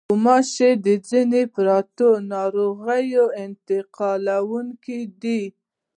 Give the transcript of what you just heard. غوماشې د ځینو پرتو ناروغیو انتقالوونکې دي.